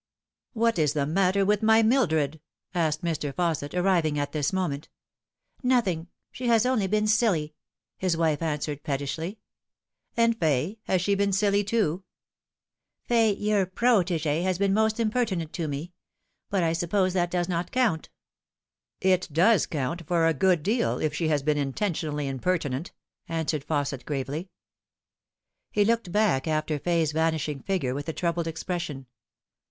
" What is the matter with my Mildred ?" asked Mr. Fausset, arriving at this moment. "Nothing. She has only been silly," his wife answered pettishly. " And Fay has she been silly, too ?" "Fay, your protegee, has been most impertinent to me. But I suppose that does not count." " It does count, for a good deal, if she has been intentionally impertinent," answered Fausset gravely. , 36 The Fatal Three. He looked back after Fay's vanishing figure with a troubled expression.